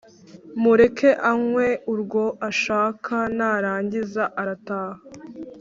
Mureke anywe urwo ashaka narangiza arataha